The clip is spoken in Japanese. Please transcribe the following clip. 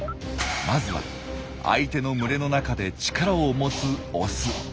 まずは相手の群れの中で力を持つオス。